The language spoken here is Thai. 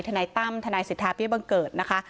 ทนายตั้มทนายสิทธาพิเภบบังเกิร์ตนะคะ